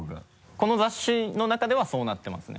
この雑誌の中ではそうなってますね。